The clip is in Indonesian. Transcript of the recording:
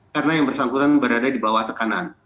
karena yang bersangkutan berada di bawah tekanan